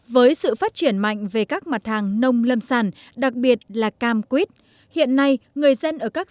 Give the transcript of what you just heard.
với sự phát triển mạnh về các mặt hàng nông lâm sản đặc biệt là cam quýt hiện nay người dân ở các